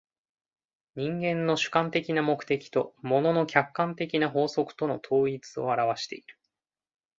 人間の主観的な目的と物の客観的な法則との統一を現わしている。